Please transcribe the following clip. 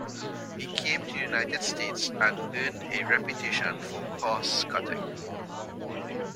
He came to the United States and earned a reputation for cost cutting.